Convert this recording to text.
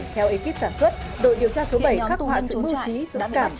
theo ekip sản xuất đội điều tra số bảy khắc họa sự mưu trí dũng cảm